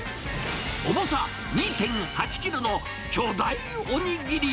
重さ２．８キロの巨大お握り。